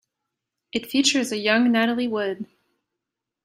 It features a young Natalie Wood.